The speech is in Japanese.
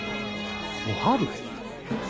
おはる？